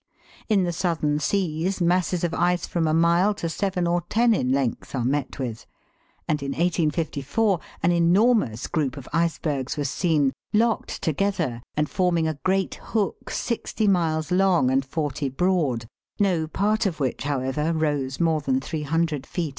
In the southern seas, masses of ice from a mile to seven or ten in length are met with, ICEBERGS AND ANCHOR ICE. 75 and in 1854 an enormous group of icebergs was seen, locked together and forming a great hook sixty miles long and forty broad, no part of which, however, rose more than 300 feet above the sea.